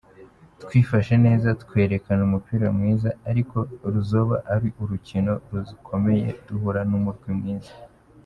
"Twifashe neza, twerekana umupira mwiza, ariko ruzoba ari urukino rukomeye duhura n'umurwi mwiza.